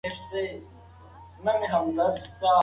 ستا څخه چي ياره روانـېــږمه